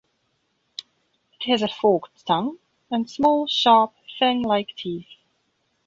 It has a forked tongue, and small, sharp, fang-like teeth.